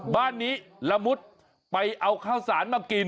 บ้านนี้ละมุดไปเอาข้าวสารมากิน